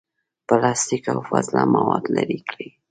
پلاستیک، او فاضله مواد لرې کړي.